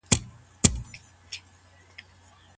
خاوند او مېرمن بايد خپل حساسيتونه څنګه وپېژني؟